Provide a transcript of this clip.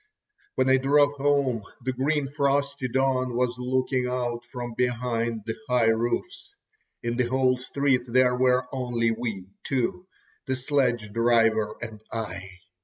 When I drove home, the green frosty dawn was looking out from behind the high roofs. In the whole street there were only we two, the sledge driver and I.